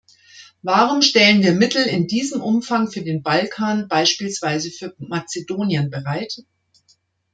Warum stellen wir Mittel in diesem Umfang für den Balkan beispielsweise für Mazedonien bereit?